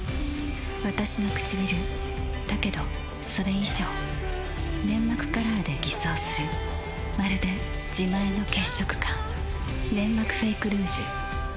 わたしのくちびるだけどそれ以上粘膜カラーで偽装するまるで自前の血色感「ネンマクフェイクルージュ」